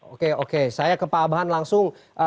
oke oke saya ke pak abhan langsung